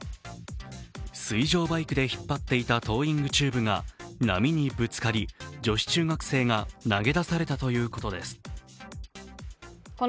水上バイクで引っ張っていたトーイングチューブが波にぶつかり、女子中学生が投げ出されたということです。